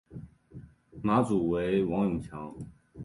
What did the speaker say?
马主为王永强。